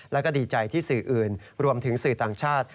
แล้วก็ดีใจที่สื่ออื่นรวมถึงสื่อต่างชาติ